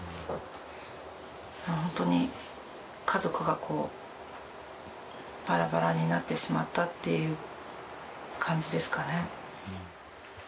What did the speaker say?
ホントに家族がバラバラになってしまったっていう感じですかね。